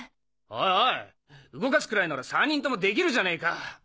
おいおい動かすくらいなら３人ともできるじゃねえか！